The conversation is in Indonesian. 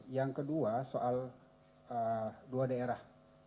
yang kedua soal dua daerah